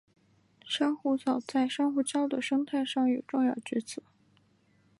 珊瑚藻在珊瑚礁的生态上有重要角色。